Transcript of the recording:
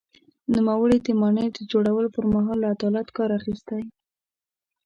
نوموړي د ماڼۍ د جوړولو پر مهال له عدالت کار اخیستی.